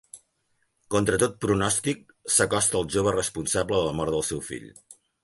Contra tot pronòstic, s'acosta al jove responsable de la mort del seu fill.